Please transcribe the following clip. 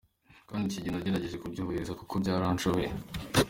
Kandi icyo gihe nagerageje kubyubahiriza kuko byaranshobokeye.